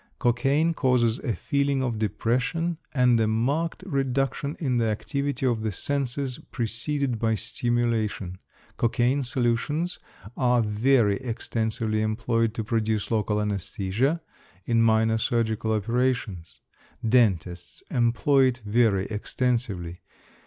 Cocaine causes a feeling of depression, and a marked reduction in the activity of the senses preceded by stimulation. Cocaine solutions are very extensively employed to produce local anæsthesia in minor surgical operations. Dentists employ it very extensively.